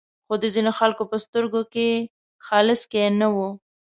خو د ځینو خلکو په سترګو کې خلسکی نه و.